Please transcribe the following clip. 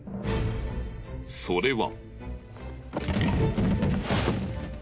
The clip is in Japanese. それは。